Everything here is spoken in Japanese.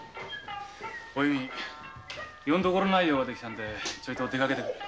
お弓よんどころない用ができたんでちょいと出かけてくる。